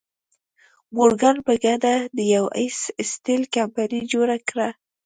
مورګان په ګډه د یو ایس سټیل کمپنۍ جوړه کړه.